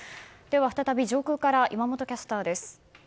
再び上空から山本キャスターです。